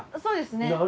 そうですね。